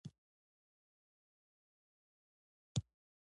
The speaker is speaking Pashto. تاسې سم له لاسه ترې په پوره دقت کار واخلئ.